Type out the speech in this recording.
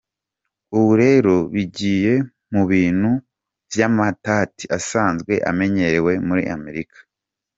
"Ubu rero bigiye mu bintu vy'amatati asanzwe amenyerewe muri Amerika.